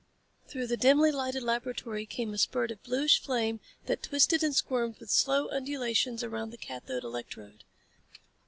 Through the dimly lighted laboratory came a spurt of bluish flame that twisted and squirmed with slow undulations around the cathode electrode.